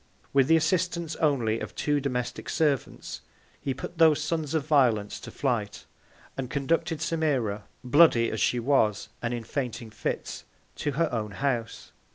With the Assistance only of two domestic Servants, he put those Sons of Violence to Flight, and conducted Semira, bloody as she was, and in fainting Fits, to her own House.